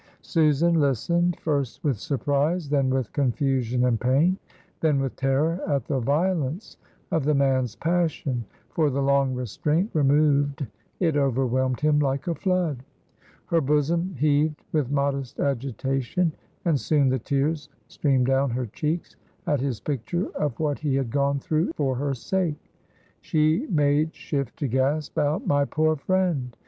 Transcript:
Susan listened; first with surprise, then with confusion and pain, then with terror at the violence of the man's passion; for, the long restraint removed, it overwhelmed him like a flood. Her bosom heaved with modest agitation, and soon the tears streamed down her cheeks at his picture of what he had gone through for her sake. She made shift to gasp out, "My poor friend!"